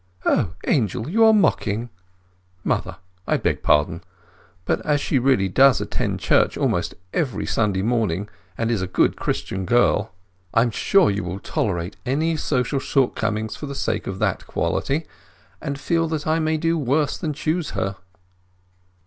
"O Angel, you are mocking!" "Mother, I beg pardon. But as she really does attend Church almost every Sunday morning, and is a good Christian girl, I am sure you will tolerate any social shortcomings for the sake of that quality, and feel that I may do worse than choose her."